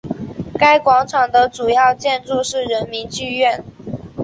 该广场的主要建筑是人民剧院。